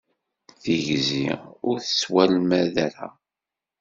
Tigzi ur tettwalmad ara.